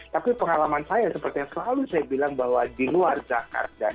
tapi pengalaman saya seperti yang selalu saya bilang bahwa di luar jakarta